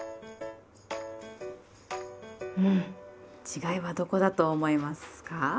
違いはどこだと思いますか？